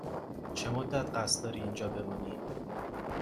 چه مدت قصد داری اینجا بمانی؟